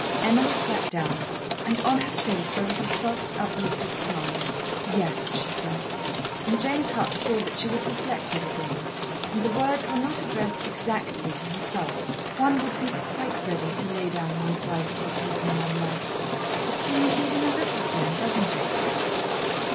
Emily sat down, and on her face there was a soft, uplifted smile. "Yes," she said, and Jane Cupp saw that she was reflective again, and the words were not addressed exactly, to herself, "one would be quite ready to lay down one's life for the person one loved. It seems even a little thing, doesn't it?"